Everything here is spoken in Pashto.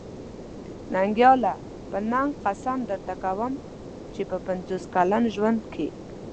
ننګياله! په ننګ قسم درته کوم چې په پنځوس کلن ژوند کې.